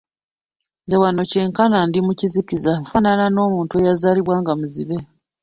Nze wano kyenkana ndi mu kizikiza nfaanana n'omuntu eyazaalibwa nga muzibe.